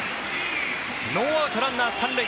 ノーアウト、ランナー３塁。